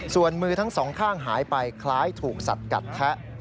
ส่วนมือทั้งสองข้างหายไปคล้ายถูกสัดกัดแทะ